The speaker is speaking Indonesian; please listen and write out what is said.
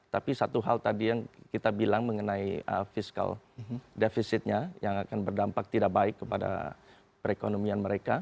tapi satu hal tadi yang kita bilang mengenai fiskal defisitnya yang akan berdampak tidak baik kepada perekonomian mereka